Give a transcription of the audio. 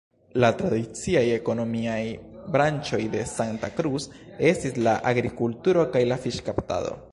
La tradiciaj ekonomiaj branĉoj de Santa Cruz estis la agrikulturo kaj la fiŝkaptado.